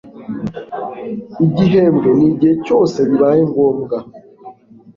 igihembwe n igihe cyose bibaye ngombwa